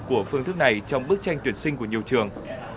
của phương thức này trong bức tranh tuyển sinh của nhiều trường